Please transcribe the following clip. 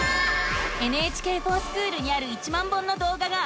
「ＮＨＫｆｏｒＳｃｈｏｏｌ」にある１万本のどうががあらわれたよ。